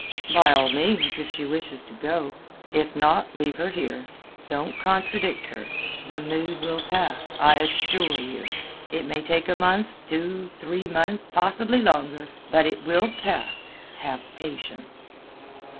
"By all means, if she wishes to go. If not, leave her here. Don't contradict her. The mood will pass, I assure you. It may take a month, two, three months—possibly longer, but it will pass; have patience."